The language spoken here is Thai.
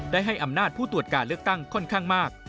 ให้อำนาจผู้ตรวจการเลือกตั้งค่อนข้างมาก